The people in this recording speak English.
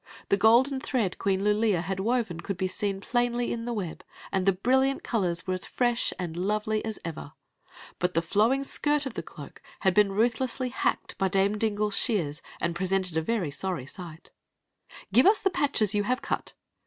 The golden thread Queen Lulea had woven could be seen plainly in the web, and the brilliant colors were as fresh and lovely as ever. But the flowing skirt of the cloak had been ruthlessly hacked by Dame Din gle's shears, and presented a sorry plight " Get us the patches you have cut